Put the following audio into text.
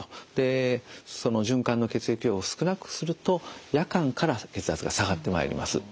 その循環の血液量を少なくすると夜間から血圧が下がってまいります。